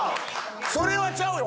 それはちゃうよ